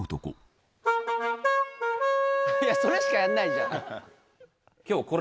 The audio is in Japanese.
いやそれしかやんないじゃん。